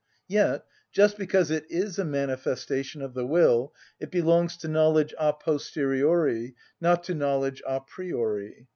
Yet, just because it is a manifestation of the will, it belongs to knowledge a posteriori, not to knowledge a priori.